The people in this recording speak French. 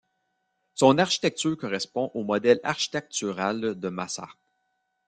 Son architecture correspond au modèle architectural de Massart.